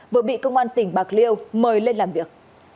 vừa bị công an tỉnh bạc liêu mời lên làm việc